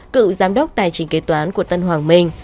cựu giám đốc tài chính kế toán của tân hoàng minh